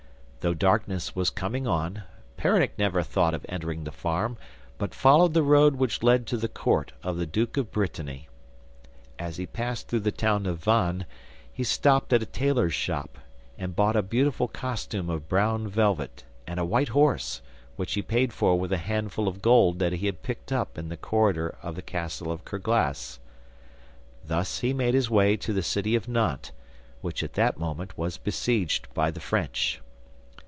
Though darkness was coming on, Peronnik never thought of entering the farm, but followed the road which led to the court of the duke of Brittany. As he passed through the town of Vannes he stopped at a tailor's shop, and bought a beautiful costume of brown velvet and a white horse, which he paid for with a handful of gold that he had picked up in the corridor of the castle of Kerglas. Thus he made his way to the city of Nantes, which at that moment was besieged by the French.